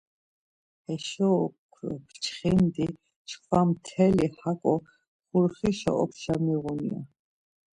Heşo okro p̌ç̌ǩindi çkva mteli hako xurxişa opşa miğun ya.